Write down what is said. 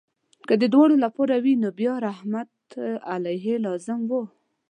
که د دواړو لپاره وي نو بیا رحمت الله علیهما لازم وو.